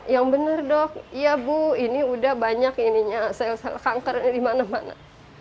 yang bener dok iya bu ini udah banyak ini nya sel sel kanker ini dimana mana